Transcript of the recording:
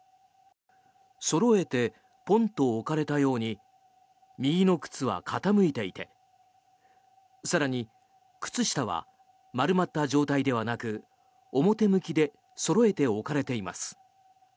そろえてポンと置かれたように右の靴は傾いていて更に、靴下は丸まった状態ではなく表向きでそろえて置かれています。